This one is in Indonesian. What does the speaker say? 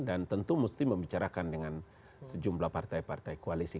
tentu mesti membicarakan dengan sejumlah partai partai koalisi